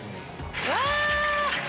うわ！